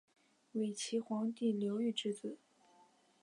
伪齐皇帝刘豫之子。